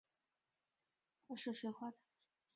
属于第五收费区。